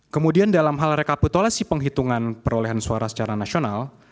kemudian dalam hal rekapitulasi penghitungan perolehan suara secara nasional